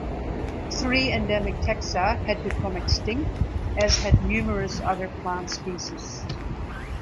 Three endemic taxa had become extinct, as had numerous other plant species.